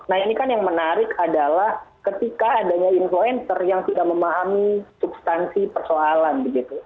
nah ini kan yang menarik adalah ketika adanya influencer yang tidak memahami substansi persoalan begitu